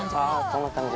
そんな感じ。